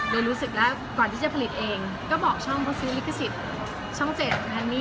เลยรู้สึกว่าก่อนที่จะผลิตเองก็บอกช่องเพราะซีรีส์ลิขสิทธิ์ช่องเจ็ด